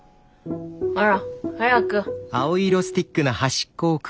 ほら早く！